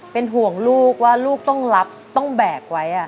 เป็นห่วงลูกว่าลูกต้องรับต้องแบกไว้